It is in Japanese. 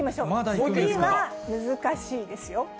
次は難しいですよ。